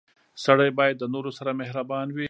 • سړی باید د نورو سره مهربان وي.